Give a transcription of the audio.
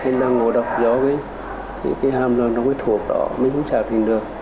nên là ngộ độc do hàm lượng nó mới thuộc đó mình không trả được